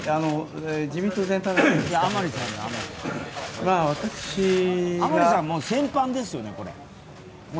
甘利さん、戦犯ですよね。